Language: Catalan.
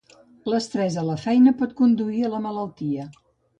L'estrès a la feina pot conduir a la malaltia.